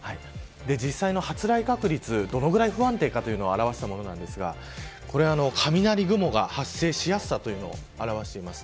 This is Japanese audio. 実際の発雷確率がどのぐらい不安定かを表したものですが雷雲の発生しやすさというのを表しています。